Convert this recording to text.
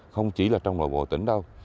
không chỉ là trong loại bộ tỉnh đâu